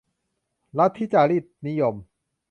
ลัทธิจารีตนิยม